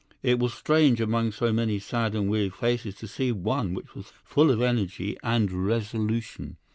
It was strange among so many sad and weary faces to see one which was full of energy and resolution.